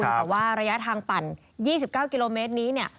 แต่ว่ารยะทางปั่น๒๙กิโลเมตรนี้